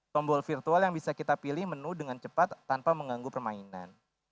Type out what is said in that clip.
tombol virtual yang bisa kita pilih menu dengan cepat tanpa mengganggu permainan